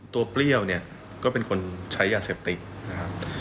เปรี้ยวเนี่ยก็เป็นคนใช้ยาเสพติดนะครับ